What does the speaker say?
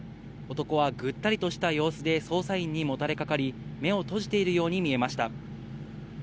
男はぐったりとした様子で捜査員にもたれかかり、目を閉じているように見えました。